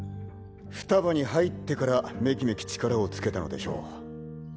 ふたばに入ってからメキメキ力をつけたのでしょう。